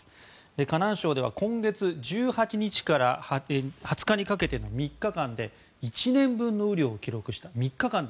河南省では今月１８日から２０日にかけての３日間で１年分の雨量を記録したと。